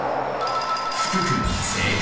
福君正解！